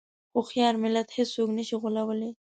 هوښیار ملت هېڅوک نه شي غولوی.